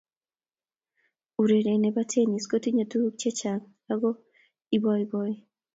Urerie ne bo tenis ko tinye tukuk che chang ako iboiboi.